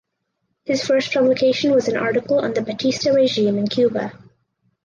His first publication was an article on the Batista regime in Cuba.